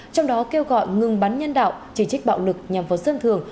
trong đó kêu gọi ngừng bắn nhân đạo chỉ trích bạo lực nhằm phóng sân thường